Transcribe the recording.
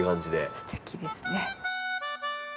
すてきですね。